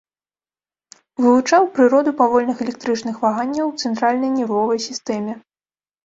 Вывучаў прыроду павольных электрычных ваганняў у цэнтральнай нервовай сістэме.